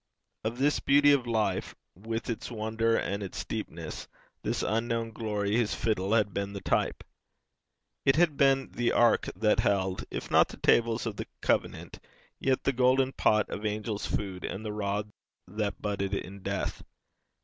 Of this beauty of life, with its wonder and its deepness, this unknown glory, his fiddle had been the type. It had been the ark that held, if not the tables of the covenant, yet the golden pot of angel's food, and the rod that budded in death.